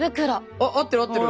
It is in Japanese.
あ合ってる合ってる。